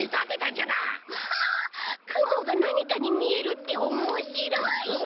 くもがなにかにみえるっておもしろい！